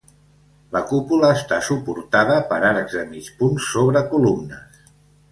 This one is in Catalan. La cúpula està suportada per arcs de mig punt sobre columnes.